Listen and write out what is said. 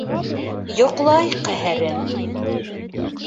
— Йоҡлай ҡәһәрең.